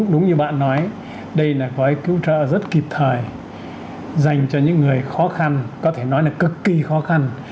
đúng như bạn nói đây là gói cứu trợ rất kịp thời dành cho những người khó khăn có thể nói là cực kỳ khó khăn